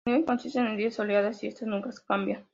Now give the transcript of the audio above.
Los niveles consisten en diez oleadas y estas nunca cambian.